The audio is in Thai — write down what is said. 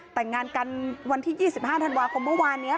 แต่งงานกันวันที่๒๕ธันวาคมเมื่อวานนี้